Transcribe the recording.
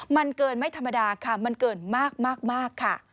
มันเกินไม่ธรรมดาค่ะมันเกินมากค่ะ